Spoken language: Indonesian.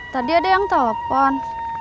tadi ada yang telepon